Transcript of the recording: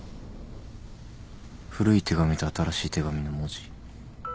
古い手紙と新しい手紙の文字。